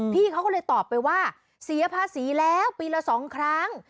พี่เขาก็เลยตอบไปว่าเสียภาษีแล้วปีละ๒ครั้ง